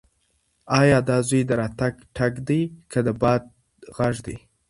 ایا دا د زوی د راتګ ټک دی که د باد غږ دی؟